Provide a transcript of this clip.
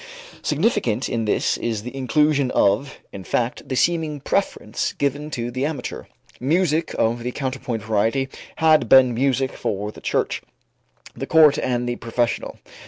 Significant in this is the inclusion of, in fact the seeming preference given to the amateur. Music of the counterpoint variety had been music for the church, the court and the professional.